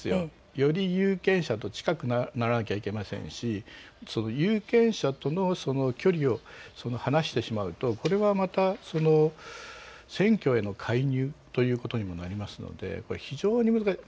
より有権者と近くならなければいけませんし有権者との距離を離してしまうとこれはまた、選挙への介入ということにもなりますので、非常に難しい。